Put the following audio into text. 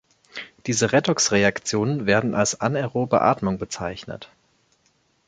Diese Redox-Reaktionen werden als anaerobe Atmung bezeichnet.